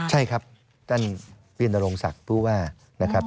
ใช่ครับด้านวิทยาลงศักดิ์ภูวานะครับ